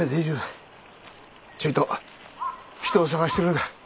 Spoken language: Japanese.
ちょいと人を捜してるんだ。